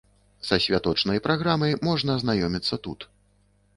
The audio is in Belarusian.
Са святочнай праграмай можна азнаёміцца тут.